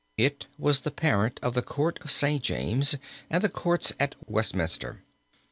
It was the parent of the Court at St. James and the courts at Westminster.